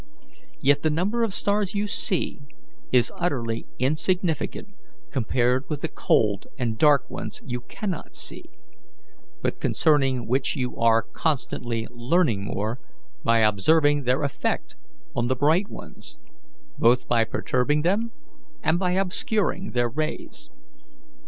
Yet the number of stars you see is utterly insignificant compared with the cold and dark ones you cannot see, but concerning which you are constantly learning more, by observing their effect on the bright ones, both by perturbing them and by obscuring their rays.